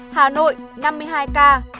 hà nội năm mươi hai ca